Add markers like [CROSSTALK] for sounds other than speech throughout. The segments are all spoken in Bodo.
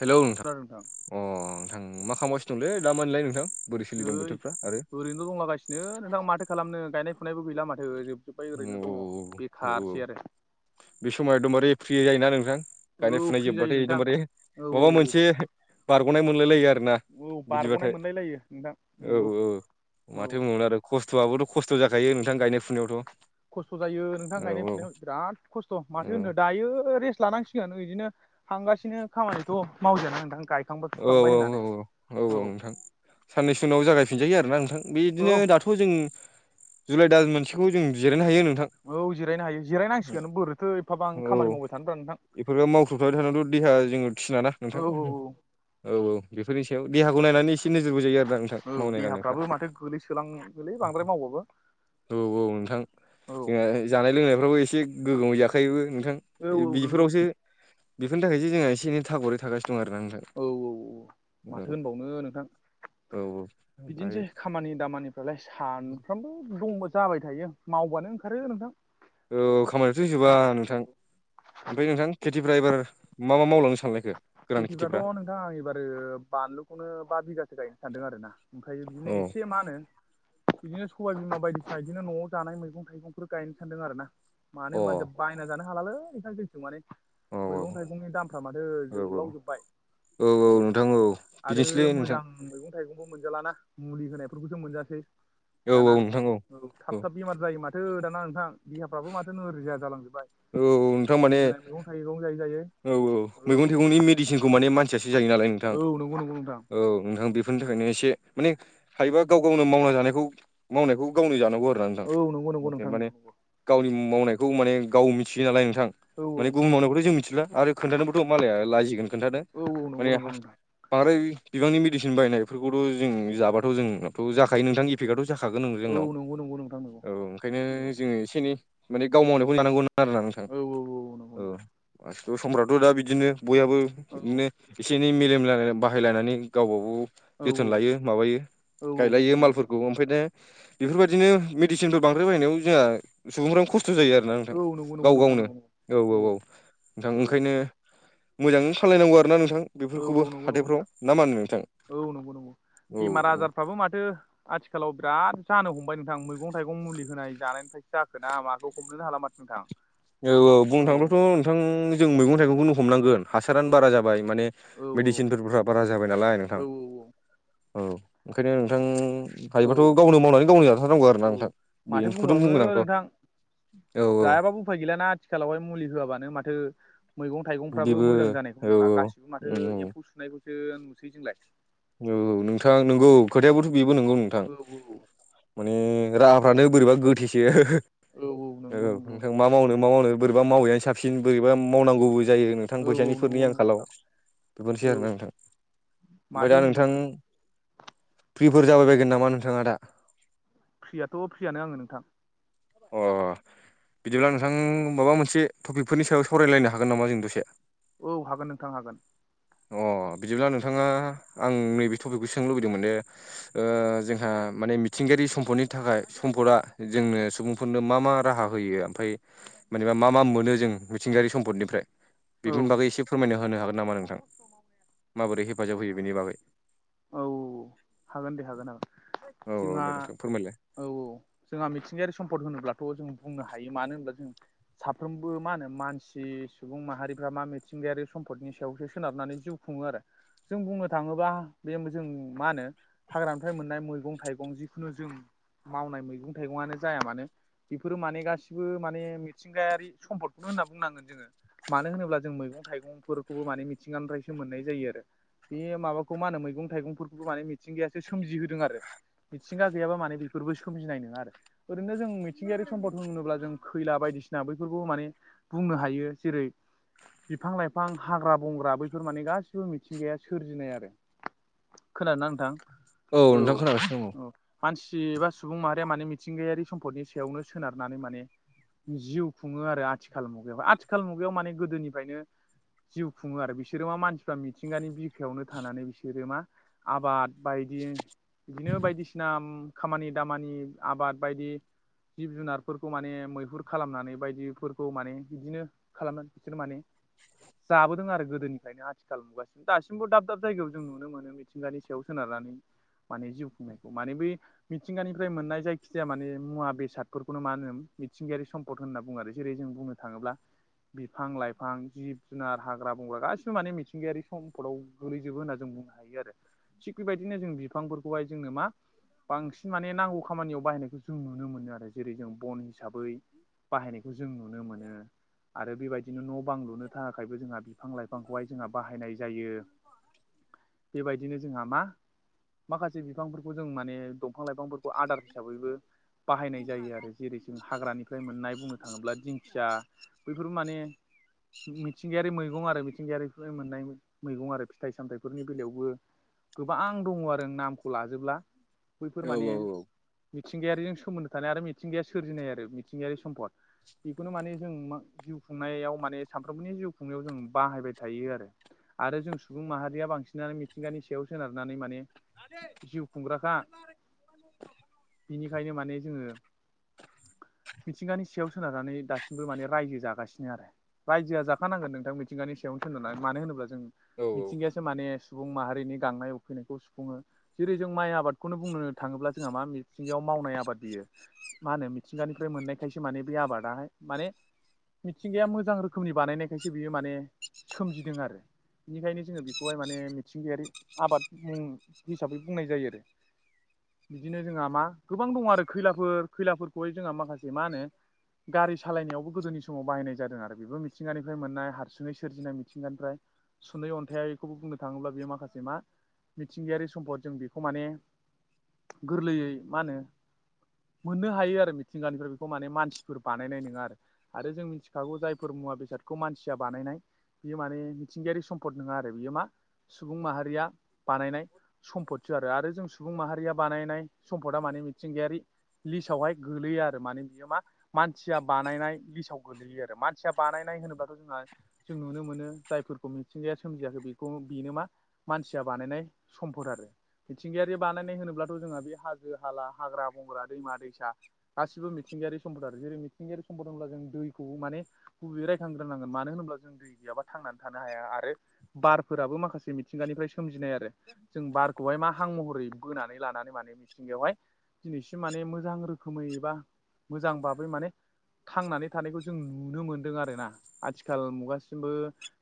हेलौ नोंथां अ नोंथां मा खालामगासिनो दंलै दामानिलाय नोंथां। बोरै नै सोलिदों बोथोरफ्रा आरो ओरैनो दंलागासिनो नोंथां माथो खालामनो गायनाय फुनायबो गैला माथो जोब जोब्बाय औ ओरैनो दङ औ औ बेखारसै आरो बे समाव एकदमबारे फ्रि जायोना नोंथां गायनाय औ फुनाय फ्रि जायो जोब्बाथाय नोंथां एकदमबारे औ माबा औ मोनसे। बारग'नाय मोनलाय लायो आरोना औ बारग'नाय बिदिबाथाय मोनलाय लायो नोंथां औ नंगौ औ औ माथो होनबावनो आरो। खस्थ'आबोथ' खस्थ' जाखायो नोंथां गायनाय फुनायावथ'। खस्थ' जायो नोंथां औ गायनाय फुनायाव बिराद खस्थ' औ माथो होनो दायो रेस्ट लानांसिगोन बिदि थांगासिनो खामानिखौ मावजायाना नोंथां गायखा औ औ औ औ औ औ नोंथां। साननैसो उनाव जागायफिनजायो आरोना नोंथां बेदिनो औ दाथ' जों जुलाइ दान मोनसेखौ जों जिरायनो हायो नोंथां। औ जिरायनो हायो जिरायनांसिगोन बोरैथ' एफाबा आं खामानि मावबाय थोब्रा नोंथां। बेब मावख्रुबथाबबाय थानथ' देहा जोङो थिनाना औ नोंथां औ औ औ। बेफोरनि सायाव देहाखौ नायनानै एसे नोजोरबो जायो आरो ना नोंथां औ औ मावनाय दांनायफ्रा देहाफ्राबो माथो गोलैसोलाङोलै बांद्राय मावबाबो औ औ नोंथां औ जोंहा जानाय लोंनायफ्रावो एसे गोग्गोमै जाखायोबो नोंथां औ नंगौ बिफोरावसो बेनि थाखायसो जोंहा एसे एनै थावरै थागासि दं आरो नोंलाय औ औ औ माथो होनबावनो नोंथां औ ओमफ्राय बिदिनोसै। खामानि दामानिफ्रालाय सानफ्रामबो दंबो जाबाय थायो मावबानो ओंखारो नोंथां। औ खामानियाथ' होजोबा नोंथां ओमफ्राय नोंथां खेथि द्राइभार। मा मा मावलांनो सानलनायखो गोरान खेथिफ्राथ' खेथिफ्रा। नोंथां आं एबार बानलुखौनो बा बिगासो गायनो सानदों आरो ना ओमफायो अ बिदिनो एसे मा होनो बिदिनो सबायबिमा बायदिसिना बिदिनो न'आव जानाय मैगं थाइगंफोर गायनो सानदों आरो ना मानो औ होनबा जों बायना जानो हालालै नां जोंथिं माने औ मैगं थाइगंनि दामफ्रा माने ओ औ जोंब्लाव जोबबाय औ आरो मोजां उम मैगं-थाइगंबो मोनजालाना मुलि होनायफोरखौसो मोनजासै औ दाना औ नोंथां। औ थाब-थाब बेमार जायो माथो दाना नोंथां देहाफ्राबो माथो नोरजिया औ औ नोंथां जालांजोबबाय। मुलि माने होनाय मैगं थायो मैगं जायो जायो। औ औ मैगं-थाइगंनि मेडिसिनखौ माने मानसियासो जायो नालाय नोंथां औ नंगौ नंगौ नोंथां औ नोंथां बे बेफोरनि थाखायनो एसे माने हायोबा गाव गावनो मावना जानायखौ मावनायखौ गावनो जानांगौ आरो। औ नंगौ नंगौ नोंथां नों गावनि मावनायखौ माने गाव मिथियो नालाय नोंथां औ माने गुबुन मावनायफोरखौथ' जों मिथिला। आरो खोन्थानोबोथ' मालाया लाजिगोन खोन्थादों औ औ नंगौ माने हा नंगौ नोंथां बांद्राय बिबांनि मेडिसिन बाहायनायफोरखौथ' जों जाबाथ' जोंथ' जाखायो नोंथां पिकआथ' जाखागोन नोंजों औ नगौ नंगौ नंगौ नोंथां नंगौ। औ ओंखायनो औ जोङो एसे-एनै माने गाव मावनायखौनो लानांगौमोन आरोना नोंथां। औ औ नंगौ औ। नंगौ थ समफ्रथ' दा बिदिनो बयहाबो औ बिनो एसे-एनै मेलेम जा बाहायलायनानै गावबागाव औ जोथोन लायो औ माबायो औ नंगौ गायलायो नंगौ नोंथां मालफोरखौ ओमफ्रायनो बेफोर बायदिनो मेडिसिनफोर बांद्रायबायनायाव जाहा सुबुंफ्रानो खस्थ' जायो आरोना नोंथां औ नंगौ नंगौ गाव नोंथां गावनो नंगौ औ औ औ। नोंथां औ ओंखायनो मोजाङै सालायनांगौ आरो ना नोंथां। औ औ नंगौ नंगौ नोंथां मा होनो औ नंगौ नंगौ औ बेमार-आजारफ्राबो माथो आथिखालाव बिराद जानो हमबाय नोंथां मैगं-थाइगं मुलि होनाय जानायनिफ्रायसो जाखो ना माखौ हमनो हाला माथो। नोंथां औ औ बुंनो थाङोबाथ' नोंथां जों मैगं-थाइगंखौनो हमनांगोन हासारानो बारा जाबाय माने औ मेडिसिनफोरफोरा बारा जाबाय नालाय नोंथां औ औ ओंखायनो नोंथां औ हायोबाथ' गावनो मावनानै गावनो जाथारनांगौ आरो ना औ नोंथां माथो बेनिखौथनो बुंबावनो बुंगोन आंथ'। नोंथां औ औ। जायाबाबो उफाय गैलाना आथिखालावहाय मुलि होआबानो माथो मैगं थाइगंफ्राबो बेबो मोजां जानायखौ औ नुला गासिबो माथो उम एम्फौ सुनायखौसो नुसै जोंलाय। औ नोंथां नंगौ खोथायाबोथ' बेबो नंगौ नोंथां। औ माने राहाफ्रानो बोरैबा गोथैसो औ औ ओं नंगौ ओं नंगौ नोंथां मा मावनो बिदिनो मा मावनो बोरैबा मावैनो साब सिन बोरैबा मावनांगौबो जायो नोंथां औ औ फैसानिफोरनि नंगौ नंगौ आंखालाव नोंथां बेफोरनोसै औ आरो ना नोंथां। ओमफाय माथो दा नोंथां होनबावनो फ्रिफोर जाबाय बायगोन नामा नोंथाङा दा? फ्रियाथ' फ्रियानो आङो नोंथां। अ। बिदिब्ला नोंथां माबा मोनसे टपिकफोरनि सायाव सावरायलायनो हागोन नामा जों दसे? औ हागोन नोंथां हागोन। अ बिदिब्ला नोंथाङा आं नैबे टपिकखौ सोंनो लुबैदों मोने ओ जोंहा माने मिथिंगायारि सम्फदनि थाखाय सम्फदा जोंनो सुबुं बुंफोरनो मा मा राहा होयो ओमफ्राय मेनेबा मा मा मोनो जों मिथिंगायारि सम्पदनिफ्राय? औ बिफोरनि बागै एसे फोरमायना होनो हागोन नामा नोंथां माबोरै हेफाजाब होयो बेनि बागै औ हागोन दे हागोन ओं औ औ जोंहा दे नोंथां फोरमायलाय औ औ जोंहा मिथिंगायारि सम्पद होनोब्लाथ' जों बुंनो हायो मानो होनोब्ला जों साफ्रोमबो मा होनो मानसि सुबुं माहारिफ्रा मा मिथिंगायारि सम्पदनि सायावसो सोनारनानै जिउ खुङो आरो जों बुंनो थाङोब्ला बे जों मा होनो हाग्रानिफ्राय मोननाय मैगं-थाइगं जिखुनु जों मावनाय मैगं-थाइगङानो जाया मानो बेफोरो माने गासिबो माने मिथिंगायारि सम्पदखौनो होनना बुंनांगोन जोङो। मानो होनोब्ला जों मैगं-थाइगंफोरखौबो माने मिथिंगानिफ्रायसो मोननाय जायो आरो। बे माबाखौ मा होनो मैगं थाइगंफोरखौबो माने मिथिंगायासो सोमजिहोदों आरो। मिथिंगा गैयाबा माने बेफोरबो सोमजिनाय नोङा आरो। ओरैनो जों मिथिंगायारि सम्पद होनोब्ला जों खैला बायदिसिना ना बैफोरखौबो माने बुंनो हायो जेरै बिफां-लाइफां हाग्रा-बंग्रा बैफोर माने गासिबो मिथिंगाया सोरजिनाय आरो। खोनादों ना नोंथां औ नोंथां खोनागासिनो दङ औ औ। मानसि एबा सुबुं माहारिया माने मिथिंगायारि सम्फदनि सायावनो सोनारनानै माने जिउ खुङो आरो आथिखाल मुगायाव आथिखाल मुगायाव माने गोदोनिफायनो जिउ खुङो आरो बिसोरो मा मानसिफ्रा मिथिंगानि बिखायावनो थानानै बिसोरो मा आबाद बायदि बिदिनो बायदिसिना खामानि-दामानि आबाद बायदि जिब-जुनारफोरखौ माने मैहुर खालामनानै बायदिफोरखौ माने इदिनो खालामनानै बिसोर माने जाबोदों आरो गोदोनिफ्रायनो आथिखाल नुगासिनो दासिमबो दाब-दाब जायगायाव जों नुनो मोनो मि मिथिंगानि सायाव सोनारनानै माने जिउ खुंनायखौ माने बै मिथिंगानिफ्राय मोननाय जायखिजाया माने मुवा-बेसादफोरखौनो मा होनोमो मिथिंगायारि सम्पद होनना बुङो आरो जेरै जों बुंनो थाङोब्ला बिफां-लाइफां जिब जुनार हाग्रा-बंग्रा गासिबो माने मिथिंगायारि सम्पदाव गोगलैजोबो होनना जों बुंनो हायो आरो थिग बेबायदिनो जों बिफांफोर खौहाय जोंनो मा बांसिन माने नांगौ खामानियाव बाहायनायखौ जों नुनो मोनो आरो। जेरै जों बन हिसाबै बाहायनायखौ जों नुनो मोनो। आरो बेबायदिनो न'- बां लुनो थाखायबो जोंहा बिफां- लाइफांखौहाय जोंहा बाहायनाय जायो। बेबायदिनो जोंहा मा माखासे बिफांफोरखौ जों माने दंफां-लाइफांफोरखौ आदार हिसाबैबो बाहायनाय जायो आरो जेरै जों हाग्रानिफ्राय मोननाय बुंनो थाङोब्ला दिंखिया बैफोरबो माने मिथिंगायारि मैगं आरो मिथिंगायारिनिफ्राय मोननाय मैगं आरो फिथाइ-सामथाइफोरनि बेलायावबो गोबां दङ' आरो नामखौ लाजोबब्ला बैफोर औ माने औ मिथिंगायारिजों सोमोन्दो थानाय आरो मिथिंगाया सोरजिनाय आरो मिथिंगायारि सम्पद। बेखौनो माने जों मा जिउ खुंनायाव माने सानफ्रोमबोनि जिउ खुंनायाव जों बाहायबाय थायो आरो। आरो जों सुबुं माहारिया बांसिनानो मिथिं मिथिंगानि सायाव सोनारनानै माने जि-जिउ खुंग्राखा। बिनिखायनो माने जोङो। मिथिंगानि सायाव सोनारनानै दासिमबो माने रायजो जागासिनो आरो। रायजोआ जाखानांगोन नोंथां मिथिंगानि सायावनो थिननानै मानो होनोब्ला जों औ औ मिथिंगायासो माने सुबुं माहारिनि गांनाय उखैनायखौ सुफुङो। जेरै जों माइ आबादखौनो बुंनो थाङोब्ला जोंहा मा मिथिंगायाव मावनाय आबाद बियो। मा होनो मिथिंगानिफ्राय मोननायखायसो माने बे आबादाहाय माने मिथिंगाया मोजां रोखोमनि बानायनायखायसो बियो माने सोमजिदों आरो बिनिखायनो जोङो बेखौहाय माने मिथिंगायारि आबाद मुं हिसाबै बुंनाय जायो आरो। बिदिनो जोंहा मा गोबां दङ' आरो खैलाफोर खैलाफोरखौहाय जोंहा माखासे मा होनो गारि सालायनायावबो गोदोनि स समाव बाहायनाय जादों आरो बेबो मिथिंगानिफ्राय मोननाय हारसिङै सोरजिनाय मिथिंगानिफ्राय सुनै अन्थाइखौबो बुंनो थाङोब्ला बे माखासे मा मिथिंगायारि सम्पद जों बेखौ माने गोरलैयै मा होनो मोननो हायो आरो मिथिंगानिफ्राय बेखौ माने मानसिफोर बानायनाय नोङा आरो। आरो जों मिथिखागौ जायफोर मुवा बेसादखौ मानसिया बानायनाय बियो माने मिथिंगायारि सम्पद नङा आरो बियो मा सुबुं माहारिया बानायनाय सम्पद। थु आरो जों सुबुं माहारिया बानायनाय सम्फदा मानि मिथिंगायारि लिसावहाय गोलैया आरो माने बियो मा मान मानसिया बानायनाय लिसाव गोलैयो आरो मानसिया बानायनाय होनोब्लाथ' जोंहा जों नुनो मोनो जायफोर खौ मिथिंगाया सोमजियाखै बेखौ बेनो मा मानसिया बानायनाय सम्फद आरो। मिथिंगायारि बानायनाय होनोब्लाथ' जोङो बे हाजो-हाला हाग्रा-बंग्रा दैमा-दैसा गासिबो मिथिंगायारि सम्पद आरो जेरै मिथिंगायारि सम्पद होनब्ला जों दैखौ माने गुबैयै रायखांग्रोनांगोन मानो होनोब्ला जों दै गैयाबा थांनानै थानो हाया आरो बार फोराबो माखासे मिथिंगानिफ्राय सोमजिनाय आरो। जों बारखौहाय मा हां महरै बोनानै लानानै माने मिथिंगायावहाय दिनैसिम माने मोजां रोखोमै एबा मोजां बाबै माने थांनानै थानो जों नुनो मोनदों आरो ना आथिखाल मुगासिमबो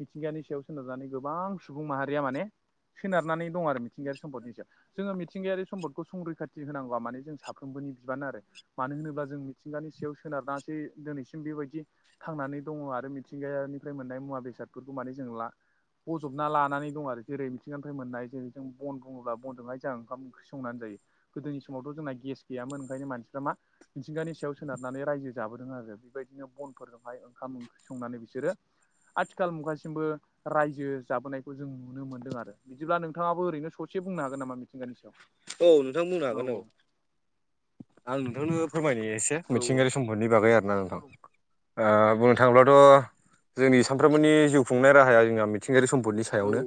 मिथिंगानि सायाव सोनारनानै गोबां सुबुं माहारिया माने सोनारनानै दङ' आरो मिथिंगायारि सम्पदनि सायाव जोङो मिथिंगायारि सम्पदखौ संरैखाथि थि होनांगौवा माने जों साफ्रोमबोनि बिबान आरो। मानो होनोब्ला जों मिथिंगानि सायाव सोनारनानैसै दिनैसिम बेबायदि थांनानै दङ' आरो मिथिंगायानिफ्राय मोननाय मुवा- बेसादफोरखौ माने जों ला बजबना लानानै दं आरो जेरै मिथिंगानिफ्राय मोननाय जेरै जों बन बुङोब्ला बनजोंहाय जों ओंखाम-ओंख्रि संनानै जायो। गोदोनि समावथ' जोंना गेस गैयाम ओंखायनो मानफ्रा मा मिथिंगानि सायाव सोनारनानै रायजो जाबोदों आरो बेबायदि नो बनजोंहाय ओंखाम ओंख्रि संनानै बिसोरो आथिखाल मुगासिमबो राय जो जाबोनायखौ जों नुनो मोनदों आरो बिदिब्ला नोंथाङाबो ओरैनो ससे बुंनो हागोन नामा मिथिंगानि सायाव औ नोंथां बुंनो हागोन औ। आं नोंथांनो फोरमायनो एसे औ मिथिंगायारि सम्पदनि बागै आरोना नोंथां। ओ बुंनो थाङोब्लाथ' जोंनि सानफ्रोमबोनि जिउ खुंनाय राहाया जोंहा मिथिंगायारि सम्पदनि सा औ सायावनो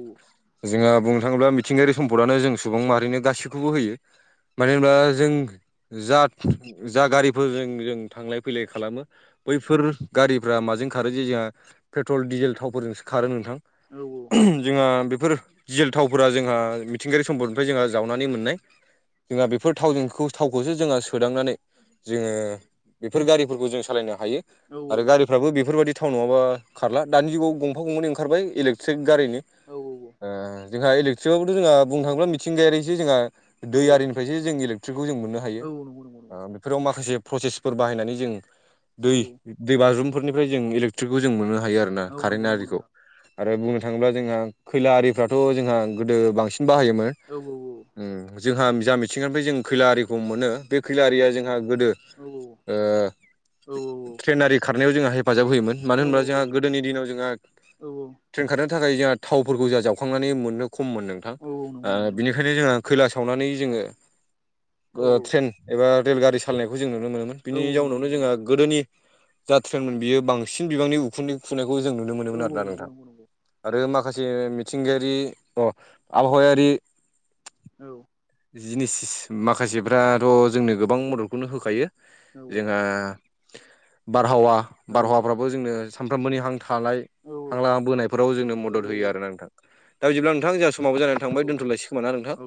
जोङा बुंनो थाङोब्ला मिथिंगायारि सम्पदानो जों सुबुं माहारिनो गासैखौबो होयो। माने दा जों जात जा गारिफोरजों जों थांलाय- फैलाय खालामो बैफोर गारिफ्रा माजों खारो जे जोंहा पेट्रल, डिजेल थावफोरजोंसो खारो नोंथां। औ औ। [INAUDIBLE] जोंहा बेफोर डिजेल थावफोरा जोंहा मिथिंगायारि सम्पदनिफ्राय जोंहा जावनानै मोननाय। जोंहा बेफोर थावजोंखौ थाव खौसो जोंहा सोदांनानै जोङो बेफोर गारिफोरखौ जों सालायनो हायो औ आरो गारि फ्राबो बेफोर बायदि थाव नङाबा खारला दानि जुगाव गंफा गंनै ओंखारबाय इलेक्ट्रिक गारिनि। औ औ औ। ओ जोंहा इलेक्ट्रिकआवबोथ' जोंहा बुंनो थाङोब्ला मिथिंगायारिसै जोंहा दै आरिनि फ्रायसो जों इलेक्ट्रिकखौ जों मोननो हायो औ ओ बेफोराव माखासे प्रसेसफोर बाहायनानै जों दै औ दै बाज्रुमफोरनिफ्राय जों इलेक्ट्रिकखौ जों मोननो हायो आरो ना औ नंगौ औ कारेन्ट नंगौ नंगौ आरिखौ। नोंथां आरो बुंनो थाङोब्ला जोंहा खैला आरिफ्राथ' जोंहा गोदो बांसिन बाहायोमोन। औ औ औ। उम जोंहा जा मिथिंगानिफ्राय जों खैला आरिखौ मोनो। बे औ खैलारिया जोंहा गोदो ओ ट्रेन आरि खारनायाव जोंहा हे हेफाजाब होयोमोन मानो औ होनोबा जोंहा गोदोनि दिनाव जोंहा औ ट्रेन खारनो थाखाय जोहा थावफोरखौ जोहा जावखांनानै मोननो खममोन नोंथां औ नंगौ ओ नंगौ नोंथां बिनिखायनो जोङो खैला सावनानै जोङो औ ओ ट्रेन एबा रेलगारि सालायनायखौ जों नुनो मोनोमोन औ बिनि नंगौ जाउनावनो नंगौ जोंहा नोंथां गोदोनि जा ट्रेनमोन बियो बांसिन बिबांनि उखुन्दै खुनायखौ जों नुनो औ मोनोमोन आरोना नंगौ नोंथां। नंगौ नंगौ आरो माखासे मिथिंगायारि अ आबहावायारि औ। जिनिस माखासेफ्राथ' जोंनो गोबां मददखौनो होखायो। औ जोंहा बारहावा औ बारहावाफ्राबो जोंनो सानफ्रोमबोनि हां थानाय औ औ हां लाना बोनायफोराव जोंनो औ मदद होयो आरो ना नोंथां दा बिदिब्ला नोंथां जोंना स समाबो जानानै थांबाय औ दोनथ'लायसै खोमाना नोंथां? औ